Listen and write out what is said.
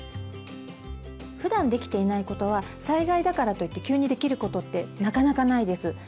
ふだんできていないことは災害だからといって急にできることってなかなかないです。